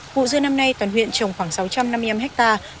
vụ dưa năm nay toàn huyện trồng khoảng sáu trăm năm mươi năm hectare